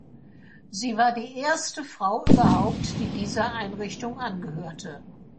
Sie war die erste Frau überhaupt, die dieser Einrichtung angehörte.